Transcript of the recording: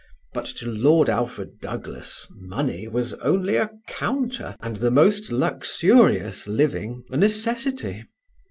But to Lord Alfred Douglas money was only a counter and the most luxurious living a necessity.